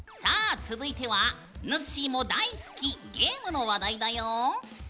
続いてはぬっしーも大好きゲームの話題だよ！